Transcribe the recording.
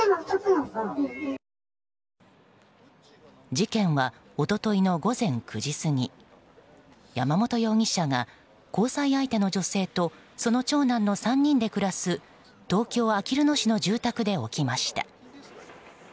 事件は、一昨日の午前９時過ぎ山本容疑者が、交際相手の女性とその長男の３人で暮らす東京・あきる野市の住宅で起きました。